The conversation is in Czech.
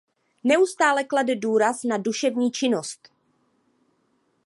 Neustále klade důraz na duševní činnost.